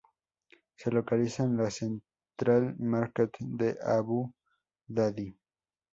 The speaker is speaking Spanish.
Se localiza en el Central Market de Abu Dhabi.